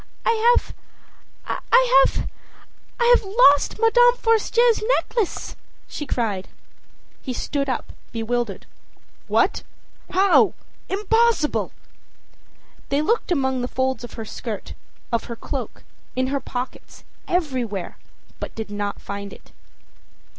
âI have I have I've lost Madame Forestier's necklace,â she cried. He stood up, bewildered. âWhat! how? Impossible!â They looked among the folds of her skirt, of her cloak, in her pockets, everywhere, but did not find it.